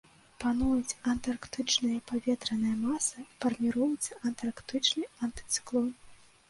Пануюць антарктычныя паветраныя масы, фарміруецца антарктычны антыцыклон.